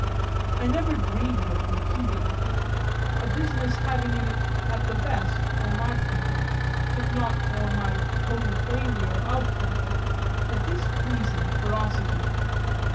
I never dreamed of competing a business having in it at the best, for my temper, if not for my total failure of temper, a displeasing ferocity.